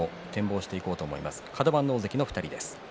カド番の大関の２人です。